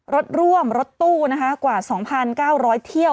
รถร่วมรถตู้นะคะกว่า๒๙๐๐เที่ยว